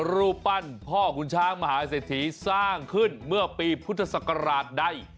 รูปปั้นพ่อคุณช้างมหาเศรษฐีสร้างขึ้นเมื่อปีพุทธศักราชใด